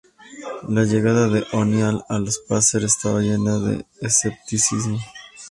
La llegada de O'Neal a los Pacers estaba llena de escepticismo.